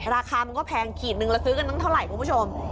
ราคามันก็แพงขีดนึงเราซื้อกันตั้งเท่าไหร่คุณผู้ชม